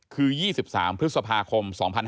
คือ๒๓พฤษภาคม๒๕๖๒